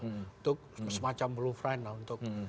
untuk semacam blue friar untuk